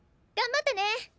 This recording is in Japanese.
頑張ってね！